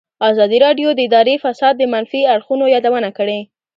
ازادي راډیو د اداري فساد د منفي اړخونو یادونه کړې.